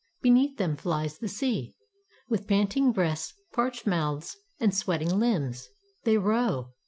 Beneath them flies the sea; With panting breasts, parched mouths, and sweating limbs They row.